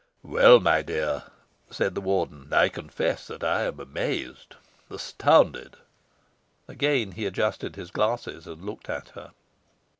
"Well, my dear," said the Warden, "I confess that I am amazed astounded." Again he adjusted his glasses, and looked at her.